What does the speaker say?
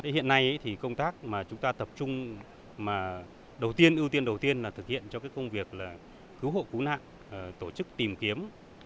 hiện nay thì công tác mà chúng ta tập trung đầu tiên ưu tiên đầu tiên là thực hiện cho công việc cứu hộ cứu nạn tổ chức tìm kiếm